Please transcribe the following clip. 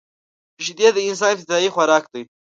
شیدې د انسان ابتدايي خوراک دی